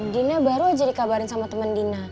dina baru aja dikabarin sama temen dina